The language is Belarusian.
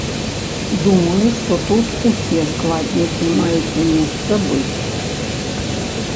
Думаю, што тут ўсе складнікі маюць месца быць.